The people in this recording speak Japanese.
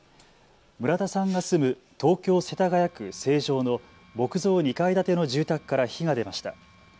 村田さんが住む東京世田谷区成城の木造２階建ての住宅から火が出ました。